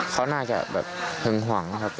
เขาน่าจะแบบหึงห่วงครับ